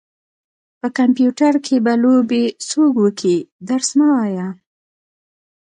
په کمپيوټر کې به لوبې څوک وکي درس مه وايه.